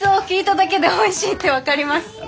聞いただけでおいしいって分かります。